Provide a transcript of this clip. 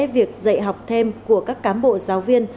việc dạy học thêm của các cám bộ giáo viên